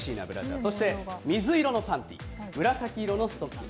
そして、水色のパンティー紫色のストッキング。